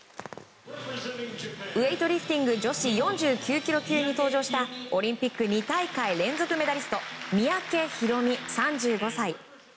ウエイトリフティング女子４９ｋｇ級に登場したオリンピック２大会連続メダリスト三宅宏実、３５歳。